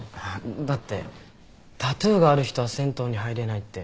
だってタトゥーがある人は銭湯に入れないって。